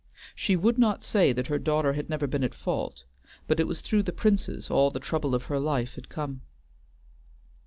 She would not say that her daughter had never been at fault, but it was through the Princes all the trouble of her life had come.